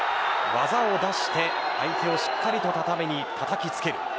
技を出して相手をしっかり畳にたたきつける。